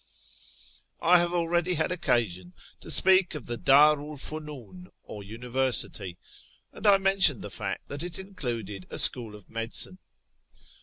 I have already had occasion to speak of the Bdru 'l Funun, or university, and I mentioned the fact that it included a school of medicine.